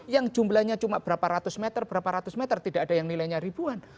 yang jumlahnya cuma berapa ratus meter berapa ratus meter tidak ada yang nilainya ribuan